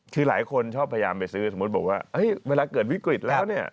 คือหลายคนชอบพยายามไปซื้อสมมุติบอกว่าเวลาเกิดวิกฤตแล้วเนี่ย